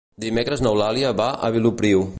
Dimecres n'Eulàlia va a Vilopriu.